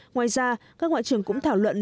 ngoài ra các ngoại trưởng cũng thảo luận